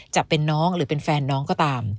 จะเป็นน้องหรือเป็นแฟนน้องก็ตาม